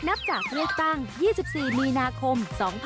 นับจากเลือกตั้ง๒๔มีนาคม๒๕๖๒